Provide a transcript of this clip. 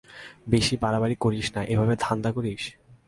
বেশি বাড়াবাড়ি করিস না এভাবে ধান্ধা করিস?